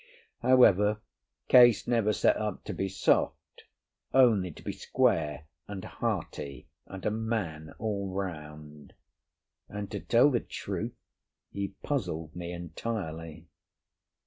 However, Case never set up to be soft, only to be square and hearty, and a man all round; and, to tell the truth, he puzzled me entirely.